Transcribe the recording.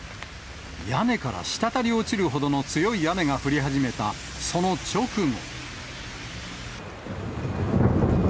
屋根からしたたり落ちるほどの強い雨が降り始めたその直後。